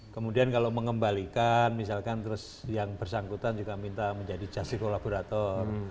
kemudian kalau mengembalikan misalkan terus yang bersangkutan juga minta menjadi just sico laborator